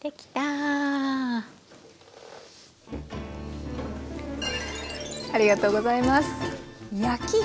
ありがとうございます。